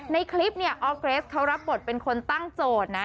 ในคลิปเนี่ยออร์เกรสเขารับบทเป็นคนตั้งโจทย์นะ